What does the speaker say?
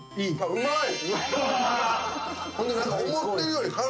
うまい。